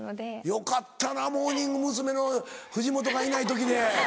よかったな「モーニング娘。」の藤本がいない時で。